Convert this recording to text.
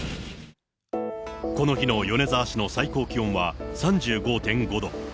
この日の米沢市の最高気温は３５．５度。